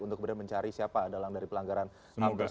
untuk benar benar mencari siapa adalah yang dari pelanggaran ham tersebut